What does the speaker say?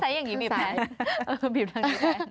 ใส่อย่างงี้บีบทางดีแพน